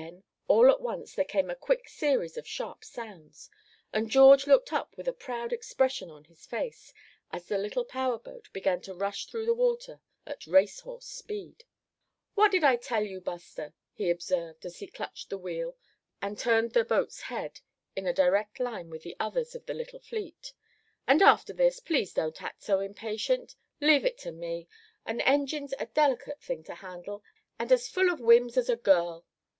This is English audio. Then all at once there came a quick series of sharp sounds, and George looked up with a proud expression on his face, as the little power boat began to rush through the water at racehorse speed. "What did I tell you, Buster?" he observed, as he clutched the wheel, and turned the boat's head in a direct line with the others of the little fleet; "and after this, please don't act so impatient. Leave it all to me. An engine's a delicate thing to handle, and as full of whims as a girl.